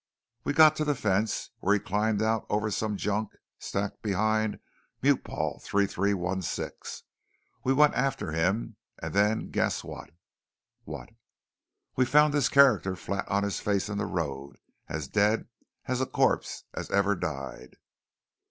" we got to the fence where he'd climbed out over some junk stacked behind Mupol 3316. We went after him, and then guess what?" "What?" "We found this character flat on his face in the road, as dead a corpse as ever died."